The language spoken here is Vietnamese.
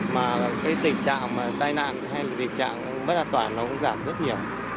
mà cái tình trạng mà tai nạn hay là tình trạng bất an toàn nó cũng giảm rất nhiều